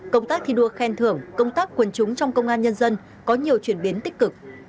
công tác thi đua khen thưởng công tác quần chúng trong công an nhân dân có nhiều chuyển biến tích cực